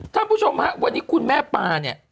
คุณผู้ชมฮะวันนี้คุณแม่ปาเนี่ย